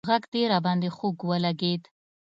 غږ دې راباندې خوږ ولگېد